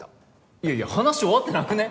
いやいや話終わってなくね？